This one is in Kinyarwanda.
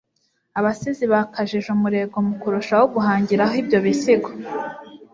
Abasizi bakajije umurego mu kurushaho guhangiraho ibyo bisigo,